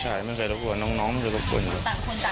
ใช่ไม่ได้รับกวนน้องไม่ได้รับกวน